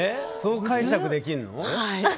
そう解釈できるの？